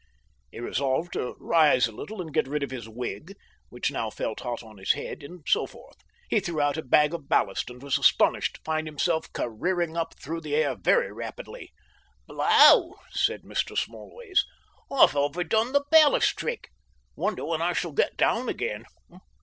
He resolved to rise a little and get rid of his wig (which now felt hot on his head), and so forth. He threw out a bag of ballast, and was astonished to find himself careering up through the air very rapidly. "Blow!" said Mr. Smallways. "I've over done the ballast trick.... Wonder when I shall get down again?...